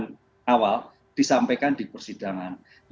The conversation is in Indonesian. tapi sekarang berubah apa yang disampaikan di keterangan saksi di pemeriksaan awal